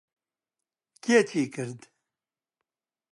کێ چی کرد؟